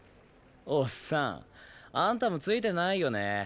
おっさんあんたもツイてないよね。